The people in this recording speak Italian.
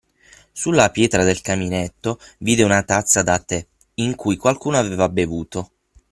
Sulla pietra del caminetto vide una tazza da tè, in cui qualcuno aveva bevuto.